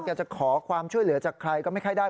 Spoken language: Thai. จะขอความช่วยเหลือจากใครก็ไม่ค่อยได้